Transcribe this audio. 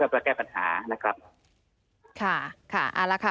ให้ม๘๖เพื่อแปลกแก้ปัญหานะครับ